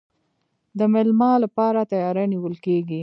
د میلمه لپاره تیاری نیول کیږي.